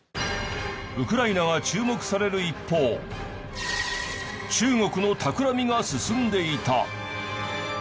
ウクライナが注目される一方中国のたくらみが進んでいた。